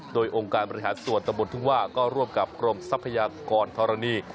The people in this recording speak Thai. โดยองค์การบริหารส่วนตะบนทุ่งว่าก็ร่วมกับกรมทรัพยากรธรณี